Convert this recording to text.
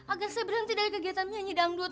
agar saya berhenti dari kegiatan nyanyi dangdut